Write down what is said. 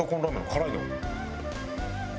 辛いの。